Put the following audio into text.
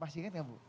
masih ingat gak bu